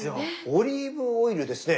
オリーブオイルですね